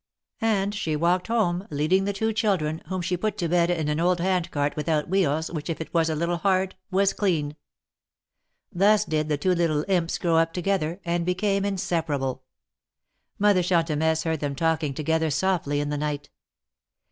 And she walked home, leading the two children, whom she put to bed in an old hand cart without wheels, which if it was a little hard, was clean. Thus did the two little imps grow up together and became inseparable. Mother Chantemesse heard them talking together softly in the night.